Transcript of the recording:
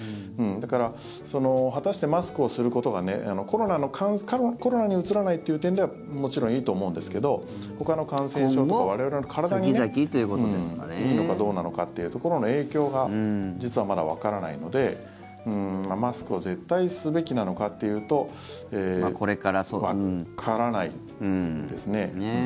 だから、果たしてマスクをすることがコロナにうつらないという点ではもちろんいいと思うんですけどほかの感染症とか我々の体にいいのかどうなのかってところの影響が実はまだわからないのでマスクを絶対すべきなのかというとわからないですね。